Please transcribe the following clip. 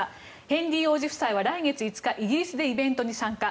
ヘンリー王子夫妻は来月５日イギリスでイベントに参加。